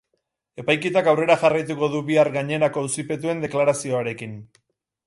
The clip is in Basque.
Epaiketak aurrera jarraituko du bihar gainerako auzipetuen deklarazioarekin.